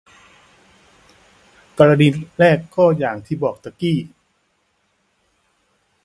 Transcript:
กรณีแรกก็อย่างที่บอกตะกี้